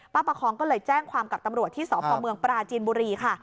ประคองก็เลยแจ้งความกับตำรวจที่สพเมืองปราจีนบุรีค่ะ